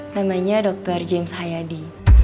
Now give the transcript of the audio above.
namanya dr james hayadi